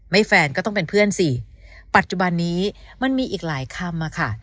แฟนก็ต้องเป็นเพื่อนสิปัจจุบันนี้มันมีอีกหลายคำอะค่ะ